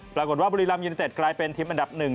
ปรากฏว่าบุรีรัมย์ยูเนตเต็ดกลายเป็นทีมอันดับหนึ่ง